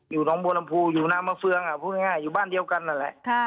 น้องบัวลำพูอยู่น้ำมะเฟืองพูดง่ายอยู่บ้านเดียวกันนั่นแหละ